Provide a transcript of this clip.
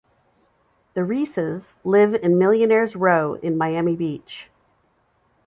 The Reeses live in Millionaire's Row in Miami Beach.